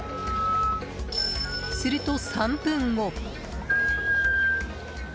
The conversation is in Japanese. すると、３分後。